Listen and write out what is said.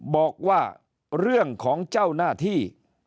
บอกว่าเรื่องของเจ้าหน้าที่